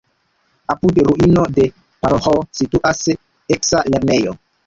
Apud ruino de paroĥo situas eksa lernejo.